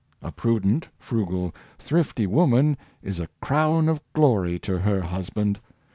A prudent, frugal, thrifty woman is a crown of glory to her hus band.